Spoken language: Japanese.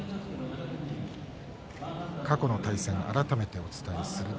過去の対戦、改めてお伝えします。